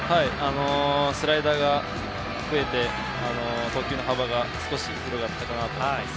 スライダーが増えて投球の幅が少し広がったかなと思います。